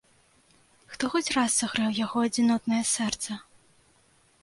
Хто хоць раз сагрэў яго адзінотнае сэрца?